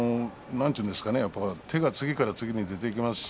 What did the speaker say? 手が次から次へと出ていきますね。